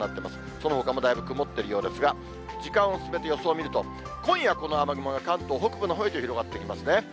そのほかもだいぶ曇っているようですが、時間を進めて予想を見ると、今夜、この雨雲が関東北部のほうへと広がっていきますね。